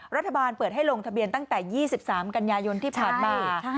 รัฐบาลเปิดให้ลงทะเบียนตั้งแต่๒๓กันยายนที่ผ่านมา